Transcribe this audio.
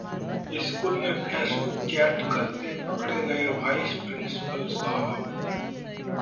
school में Facebook chat करते पकड़े गए वाइस प्रिंसिपल साहब